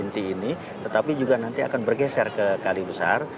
tetapi juga nanti akan bergeser ke kali besar